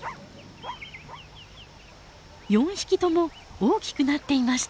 ４匹とも大きくなっていました。